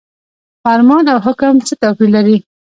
فرمان او حکم څه توپیر لري؟